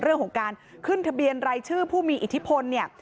เรื่องของการขึ้นทะเบียนรายชื่อผู้มีอิทธิพลเนี่ย